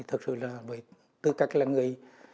thực sự là với tư cách là người